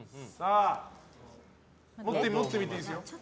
持ってみていいですよ。